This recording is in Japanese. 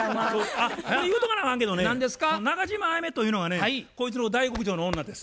あっ言うとかなあかんけどね中島あやめというのはねこいつの大国町の女です。